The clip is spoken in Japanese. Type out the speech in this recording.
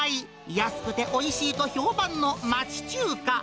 安くておいしいと評判の町中華。